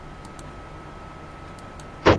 তিনি পানাহার ত্যাগ করলেন।